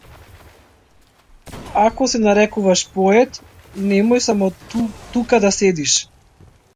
Ако се нарекуваш поет, немој само тука да седиш.